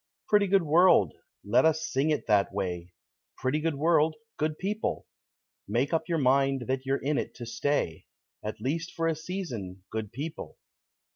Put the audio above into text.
Pretty good world! Let us sing it that way Pretty good world, good people! Make up your mind that you're in it to stay At least for a season, good people!